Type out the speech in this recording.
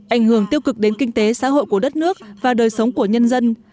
ảnh hưởng tiêu cực đến kinh tế xã hội của đất nước và đời sống của nhân dân